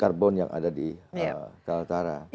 karbon yang ada di kaltara